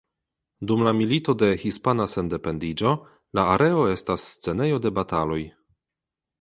Dum la Milito de Hispana Sendependiĝo la areo estas scenejo de bataloj.